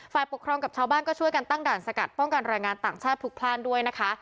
ปกครองกับชาวบ้านก็ช่วยกันตั้งด่านสกัดป้องกันรายงานต่างชาติพลุกพลาดด้วยนะคะ